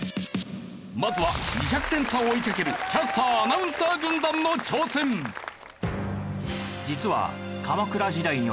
まずは２００点差を追いかけるキャスター・アナウンサー軍団の挑戦。を選べ。